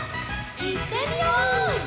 いってみよう！